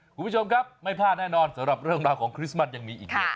คุณผู้ชมครับไม่พลาดแน่นอนสำหรับเรื่องราวของคริสต์มัสยังมีอีกหนึ่ง